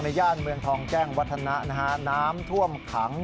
ย่านเมืองทองแจ้งวัฒนะนะฮะน้ำท่วมขัง